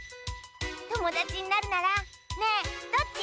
ともだちになるならねえどっち？